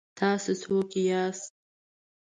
ـ تاسو څوک یاست؟